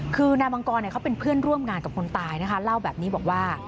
คือนายมังกรเขาเป็นเพื่อนร่วมงานกับคนตายนะคะเล่าแบบนี้บอกว่า